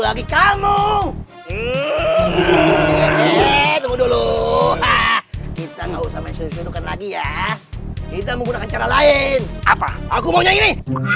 lagi ya kita menggunakan cara lain apa aku mau ini